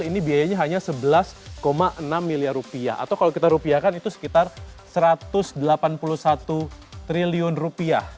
ini biayanya hanya sebelas enam miliar rupiah atau kalau kita rupiahkan itu sekitar satu ratus delapan puluh satu triliun rupiah